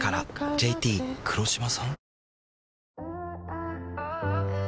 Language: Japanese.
ＪＴ黒島さん？